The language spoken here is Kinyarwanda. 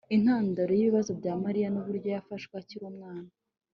intandaro yibibazo bya mariya nuburyo yafashwe akiri umwana